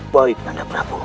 baik nanda prabu